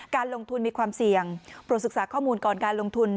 การลงทุนมีความเสี่ยงปลดศึกษาข้อมูลก่อนการลงทุน